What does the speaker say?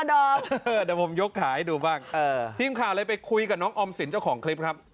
เดี๋ยวผมยกขายให้ดูบ้างทีมข่าวเลยไปคุยกับน้องออมสินเจ้าของคลิปครับ